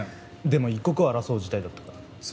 でも一刻を争う事態だったからつい。